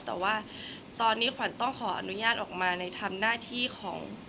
แต่ว่าตอนนี้ขวัญต้องขออนุญาตออกมาในทำหน้าที่ของ